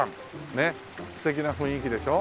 ねっ素敵な雰囲気でしょ？